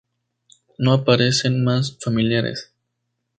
No aparecen más familiares.